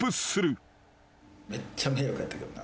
めっちゃ迷惑やったけどな。